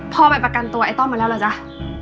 พ่อไปประกันตัวของไอ้ต้อมกันแล้วเหรอคะ